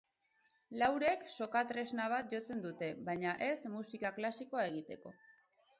Laurek soka tresna bat jotzen dute, baina ez musika klasikoa egiteko.